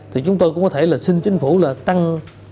thì chúng tôi cũng có thể là xin chính phủ là tăng